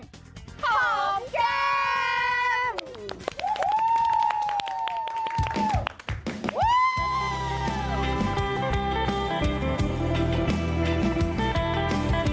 ขอมเกม